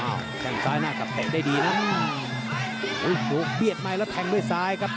แข้งซ้ายหน้ากลับเตะได้ดีนะโอ้โหเบียดในแล้วแทงด้วยซ้ายครับ